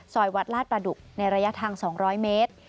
วัดลาดประดุกในระยะทาง๒๐๐เมตร